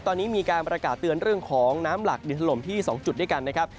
ตอนนี้มีการประกาศเตือนเรื่องของน้ำหลักดินถล่มที่๒จุดด้วยกันนะครับ